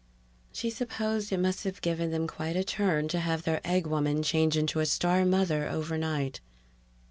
She supposed it must have given them quite a turn to have their egg woman change into a star mother overnight.